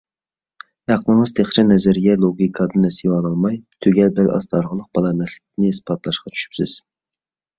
ئەقلىڭىز تېخىچە نەزىرىيە، لوگىكادىن نېسىۋە ئالالماي، تۈگەل بەل ئاستى ئارقىلىق بالا ئەمەسلىكنى ئىسپاتلاشقا چۈشۈپسىز.